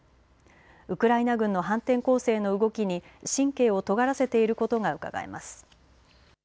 ウクライナ軍の反転攻勢の動きに神経をとがらせていることがうかがえます。